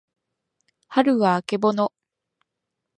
はるはあけぼの